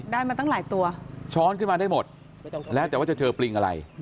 มาตั้งหลายตัวช้อนขึ้นมาได้หมดแล้วแต่ว่าจะเจอปริงอะไร